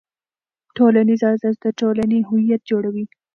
ټولنیز ارزښت د ټولنې هویت جوړوي.